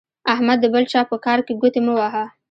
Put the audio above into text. احمده د بل چا په کار کې ګوتې مه وهه.